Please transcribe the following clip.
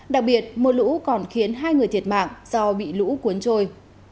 đặc biệt mưa lũ còn khiến hai người thiệt mạng do bị lũ cuốn trôi